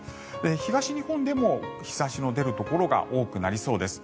東日本でも日差しの出るところが多くなりそうです。